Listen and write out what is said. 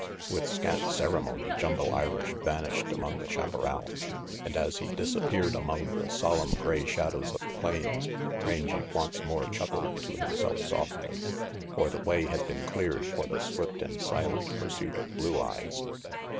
With scant ceremony Jumbo Irish vanished among the chaparral, and as he disappeared among the solemn gray shadows of the plains, Rangy once more chuckled to himself softly. For the way had been cleared for the swift and silent pursuit of Blue Eyes.